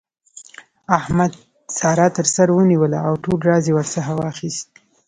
احمد؛ سارا تر سر ونيوله او ټول راز يې ورڅخه واخيست.